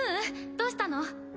どうしたの？